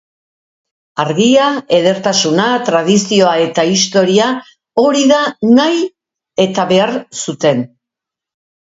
Argia, edertasuna, tradizioa eta historia, hori nahi eta behar zuten.